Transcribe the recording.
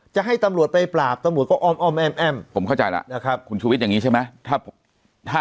จะให้ตำรวจไปปราบตำรวจก็อ้อมแอ้มผมเข้าใจแล้วนะครับคุณชุวิตอย่างนี้ใช่ไหม